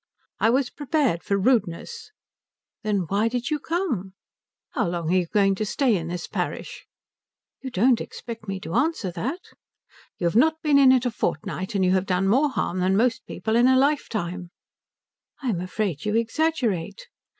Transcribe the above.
"I was prepared for rudeness." "Then why did you come?" "How long are you going to stay in this parish?" "You don't expect me to answer that?" "You've not been in it a fortnight, and you have done more harm than most people in a lifetime." "I'm afraid you exaggerate."